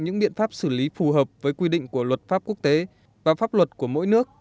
những biện pháp xử lý phù hợp với quy định của luật pháp quốc tế và pháp luật của mỗi nước